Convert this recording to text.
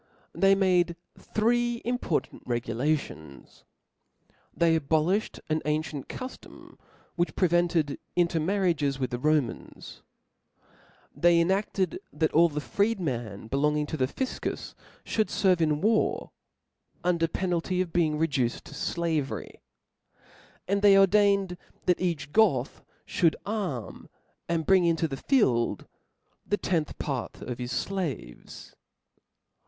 They made three important regulations : they abolifhed an ancient cuftom which prohibited (J^)^^®^ intermarriages with the (") Romans ; they cnafted goth^i, lib. that all the freedmen C) belonging to the Pifcus |. ut. I. (jjQuij fgrve in war, under penalty of being re (») Ibid, duced to flavery ; and they ordained that each jy'.^'iT' Goth (hould arm and bring into the field the tenth C) Ibid, part (?) of his flaves.